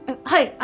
はい。